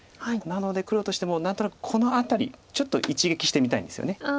なので黒としても何となくこの辺りちょっと一撃してみたいんですよね。